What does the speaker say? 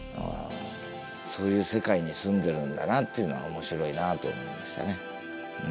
そういう世界に住んでるんだなっていうのは面白いなと思いましたね。